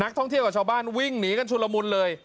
ท่องเที่ยวกับชาวบ้านวิ่งหนีกันชุลมุนเลย